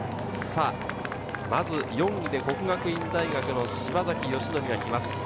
まず４位で國學院大學の島崎慎愛が行きます。